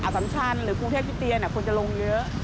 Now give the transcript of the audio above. อฟัมชันหรือภูเทศพิเตียนควรจะลงเยอะ